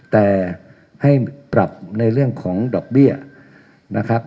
แต่ให้ปรับในเรื่องของดอกเบี้ยนะครับ